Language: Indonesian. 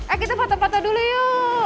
eh kita patah patah dulu yuk